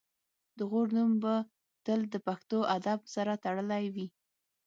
د غور نوم به تل د پښتو ادب سره تړلی وي